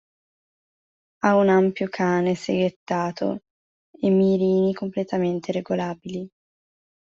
Ha un ampio cane seghettato e mirini completamente regolabili.